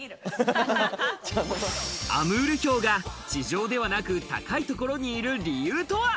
アムールヒョウが地上ではなく、高いところにいる理由とは？